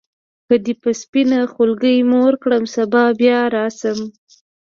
که دي په سپینه خولګۍ موړ کړم سبا بیا راشم.